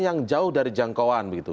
yang jauh dari jangkauan begitu